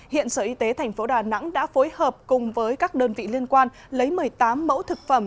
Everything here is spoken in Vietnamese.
hiện sở y tế tp đà nẵng đã phối hợp cùng với các đơn vị liên quan lấy một mươi tám mẫu thực phẩm